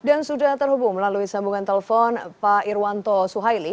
dan sudah terhubung melalui sambungan telpon pak irwanto suhaili